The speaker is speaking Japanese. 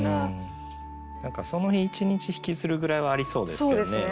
その日一日引きずるぐらいはありそうですけどね。